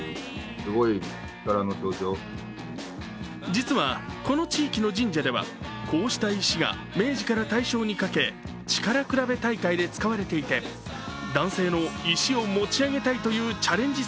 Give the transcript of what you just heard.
実は、この地域の神社ではこうした石が明治から大正にかけ、力比べ大会で使われていて、男性の石を持ち上げたいというチャレンジ